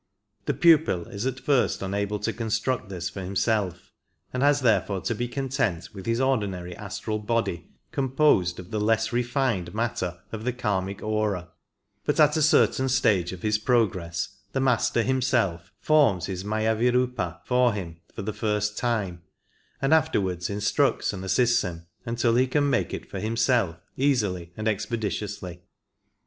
The ])upil is at first unable to construct this for himself, and has therefore to be content with his ordinary astral body composed of the less refined 20 matter q{ the k^mic aura ; but at a certain stage of his pro gress the Master Himself forms his Miyiviriipa for him for the first time, and afterwards instructs and assists him until he can make it for himself easily and expeditiously.